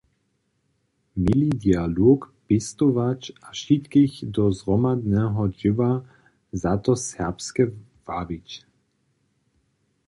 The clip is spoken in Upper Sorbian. Měli dialog pěstować a wšitkich do zhromadneho dźěła za to serbske wabić.